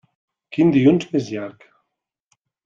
Quin dilluns més llarg!